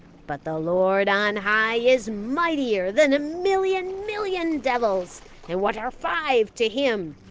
But the Lord on high is mightier than a million million devils, and what are five to Him?